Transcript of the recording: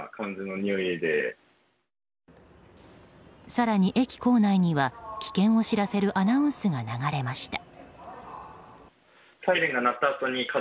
更に駅構内には危険を知らせるアナウンスが流れました。